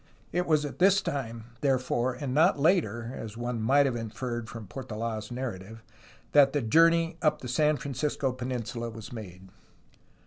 It was at this time, therefore, and not later (as one might have inferred from Portola's narrative) that the journey up the San Francisco peninsula was made.